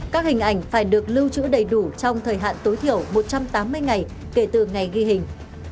các hình ảnh phải được lưu trữ đầy đủ trong thời hạn tối thiểu một trăm tám mươi ngày kể từ ngày ghi hình